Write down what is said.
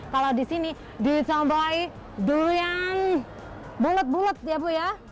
kalau di sini disambil durian bulet bulet ya bu ya